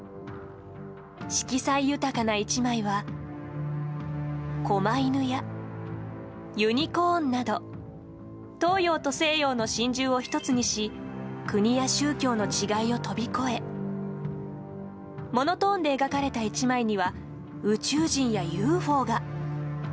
色彩豊かな１枚は狛犬やユニコーンなど東洋と西洋の神獣を１つにし国や宗教の違いを飛び越えモノトーンで描かれた１枚には宇宙人やＵＦＯが。